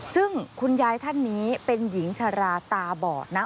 ซึ่งคุณยายท่านนี้เป็นหญิงชราตาบอดนะ